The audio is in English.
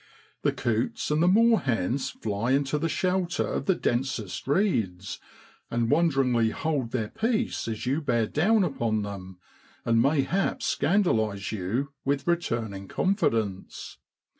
The coots and the moorhens fly into the shelter of the densest reeds, and wonderingly hold their peace as you bear down upon them, and mayhap scandalise you with returning confidence.